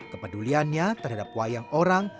kepeduliannya terhadap wayang orang